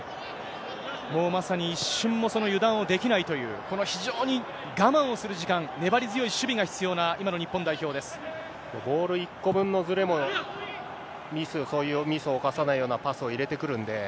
もうまさに一瞬も油断をできないという、非常に我慢をする時間、粘り強い守備が必要な今の日ボール１個分のずれも、そういうミスを犯さないようなパスを入れてくるんで。